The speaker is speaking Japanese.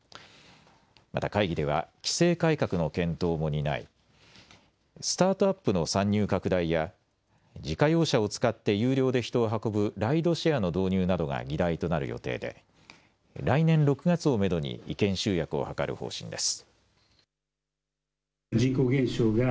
また会議では規制改革の検討も担いスタートアップの参入拡大や自家用車を使って有料で人を運ぶライドシェアの導入などが議題となる予定で来年６月をめどに意見集約を図る方針です。